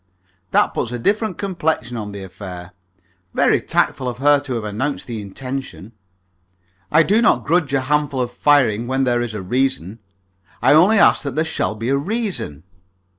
"That puts a different complexion on the affair. Very tactful of her to have announced the intention. I do not grudge a handful of firing when there is a reason. I only ask that there shall be a reason."